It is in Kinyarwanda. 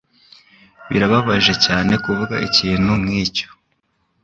Birababaje cyane kuvuga ikintu nkicyo.